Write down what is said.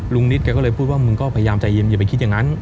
นิดแกก็เลยพูดว่ามึงก็พยายามใจเย็นอย่าไปคิดอย่างนั้น